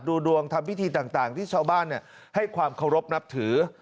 ดวงทำพิธีต่างที่ชาวบ้านให้ความเคารพนับถือ